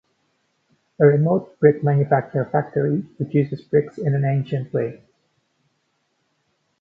A remote brick manufacture factory produces bricks in an ancient way.